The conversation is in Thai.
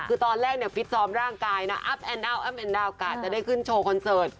คือตอนแรกฟิตซอมร่างกายนะอัพแอนด์อัพแอนด์อัตจะได้ขึ้นโชว์คอนเสิร์ท